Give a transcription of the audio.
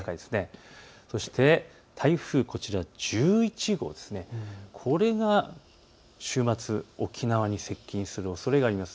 そして台風１１号、これが週末、沖縄に接近するおそれがあります。